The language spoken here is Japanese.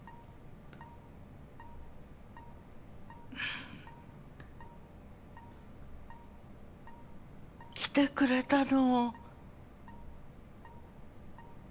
ん。来てくれたの？